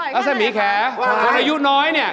แล้วแซมีแคระคนอายุน้อยเนี่ย